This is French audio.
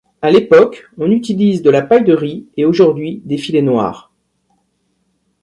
À l'époque, on utilise de la paille de riz, et aujourd'hui, des filets noirs.